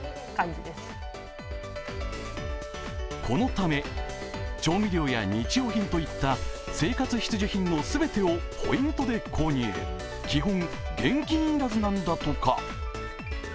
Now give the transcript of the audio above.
このため、調味料や日用品といった生活必需品の全部をポイントで購入基本、現金要らずなんだとか。